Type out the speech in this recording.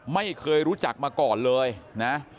ไม่เคยรู้จักมาก่อนเลยนะ